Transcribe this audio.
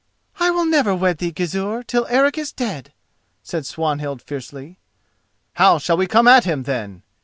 "I will never wed thee, Gizur, till Eric is dead," said Swanhild fiercely. "How shall we come at him then?"